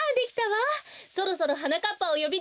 そろそろはなかっぱをよびにいきましょう。